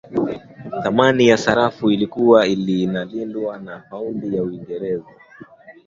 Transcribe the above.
thamani ya sarafu ilikuwa inalindwa na paundi ya uingereza